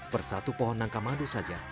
per satu pohon nangka madu saja